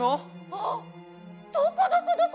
あっどこどこどこ？